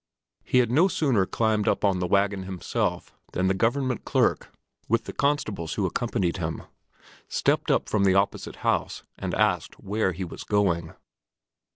He had no sooner climbed up on the wagon himself than the government clerk, with the constables who accompanied him, stepped up from the opposite house and asked where he was going.